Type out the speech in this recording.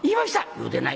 「言うてない」。